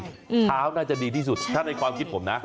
เท้าน่าจะดีที่สุดถ้าในความคิดผมนะ